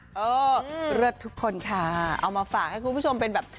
เออเลิศทุกคนค่ะเอามาฝากให้คุณผู้ชมเป็นแบบ